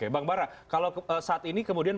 bang bara kalau saat ini kemudian